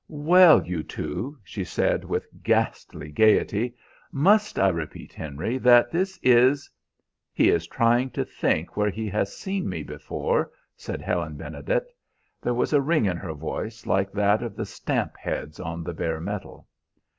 "Well, you two!" she said with ghastly gayety. "Must I repeat, Henry, that this is" "He is trying to think where he has seen me before," said Helen Benedet. There was a ring in her voice like that of the stamp heads on the bare steel.